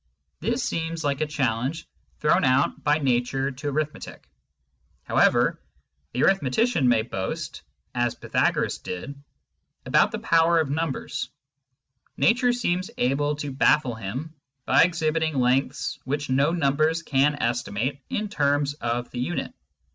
This seems like a challenge thrown out by nature to arithmetic. However the arithmetician may boast (as Pythagoras did) about the power of numbers, nature seems able to baffle him by exhibiting lengths which no numbers can estimate in terms of the unit.